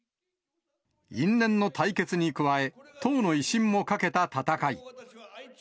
因縁の対決に加え、党の威信もかけた戦い。